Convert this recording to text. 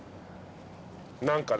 何かね。